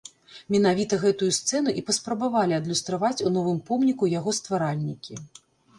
Менавіта гэтую сцэну і паспрабавалі адлюстраваць у новым помніку яго стваральнікі.